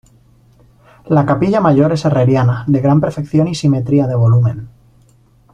La capilla mayor es herreriana, de gran perfección y simetría de volumen.